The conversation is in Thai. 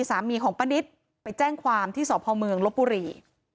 สามีของพะนิทไปแจ้งความที่สระพาหมึองลบบุรี